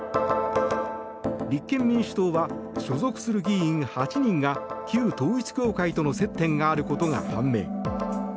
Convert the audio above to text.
立憲民主党は所属する議員８人が旧統一教会との接点があることが判明。